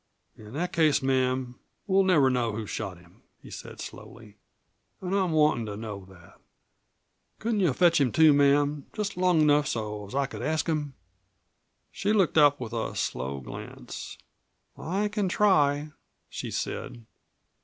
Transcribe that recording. "In that case, ma'am, we'll never know who shot him," he said slowly. "An' I'm wantin' to know that. Couldn't you fetch him to, ma'am just long enough so's I could ask him?" She looked up with a slow glance. "I can try," she said.